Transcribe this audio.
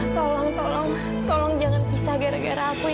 tolong jangan berpisah gara gara aku